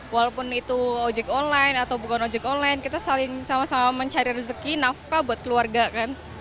walaupun itu ojek online atau bukan ojek online kita saling sama sama mencari rezeki nafkah buat keluarga kan